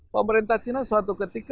pemerintah cina suatu ketika